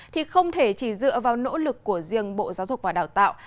thì không thể chỉ dựa vào nỗ lực của riêng bộ giáo dục và đào tạo